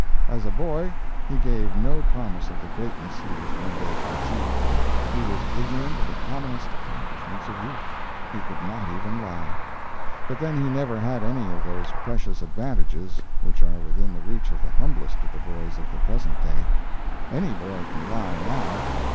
As a boy he gave no promise of the greatness he was one day to achieve. He was ignorant of the commonest accomplishments of youth. He could not even lie. But then he never had any of those precious advantages which are within the reach of the humblest of the boys of the present day. Any boy can lie, now.